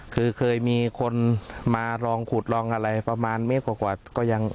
คือเคยมีคนมาลองขุดลองอะไรประมาณเมตรกว่าก็ยัง